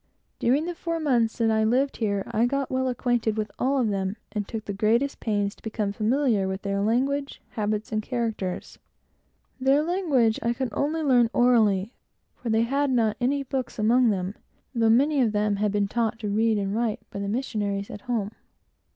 During the four months that I lived here, I got well acquainted with all of them, and took the greatest pains to become familiar with their language, habits, and characters. Their language, I could only learn, orally, for they had not any books among them, though many of them had been taught to read and write by the missionaries at home.